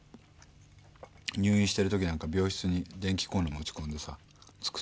入院してるときなんか病室に電気コンロ持ち込んで作ったりして。